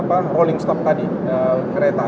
itu sekarang rolling stop tadi kereta